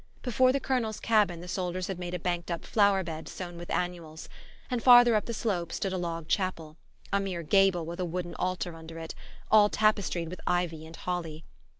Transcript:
Before the Colonel's cabin the soldiers had made a banked up flower bed sown with annuals; and farther up the slope stood a log chapel, a mere gable with a wooden altar under it, all tapestried with ivy and holly.